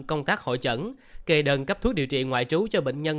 công tác hội chẩn kề đơn cấp thuốc điều trị ngoại trú cho bệnh nhân